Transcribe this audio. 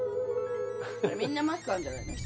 みんなマイクあるんじゃないの？